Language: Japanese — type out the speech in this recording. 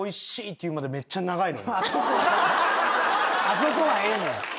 あそこはええねん。